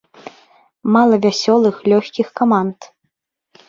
Мала вясёлых, лёгкіх каманд.